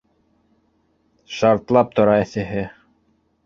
Шартлап тора эҫеһе.